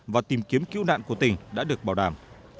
và tìm kiếm cứu nạn của tỉnh đã được bảo đảm